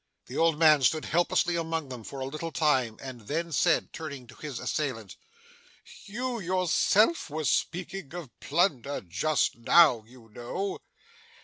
The old man stood helplessly among them for a little time, and then said, turning to his assailant: 'You yourself were speaking of plunder just now, you know.